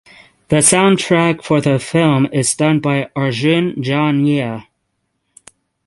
The sound track for the film is done by Arjun Janya.